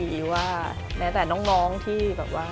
หรือว่าแม้แต่น้องที่